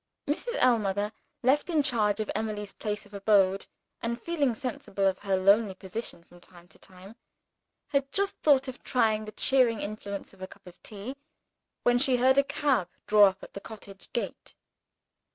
Mrs. Ellmother left in charge of Emily's place of abode, and feeling sensible of her lonely position from time to time had just thought of trying the cheering influence of a cup of tea, when she heard a cab draw up at the cottage gate.